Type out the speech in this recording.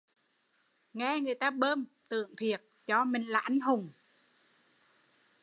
Nghe người ta bơm, tưởng thiệt, cho mình là anh hùng